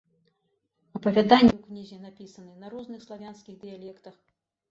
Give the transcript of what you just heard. Апавяданні ў кнізе напісаны на розных славянскіх дыялектах.